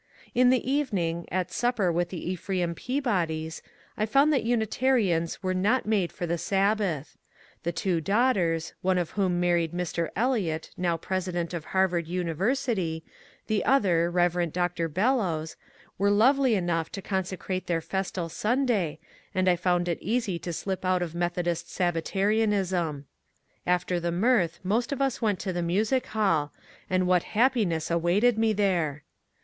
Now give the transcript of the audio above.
In the evening, at supper with the Ephraim Peabodys, I found that Unitarians were not made for the sabbath. The two daughters — one of whom married Mr. Eliot, now Presi dent of Harvard University, the other Rev. Dr. Bellows — were lovely enough to consecrate their festal Sunday, and I found it easy to slip out of Methodist Sabbatarianism. After the mirth most of us went to the Music Hall, and what hap piness awaited me there